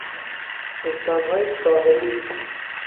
استانهای ساحلی